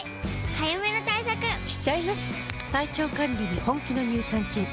早めの対策しちゃいます。